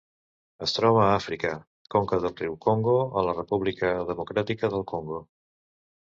Es troba a Àfrica: conca del riu Congo a la República Democràtica del Congo.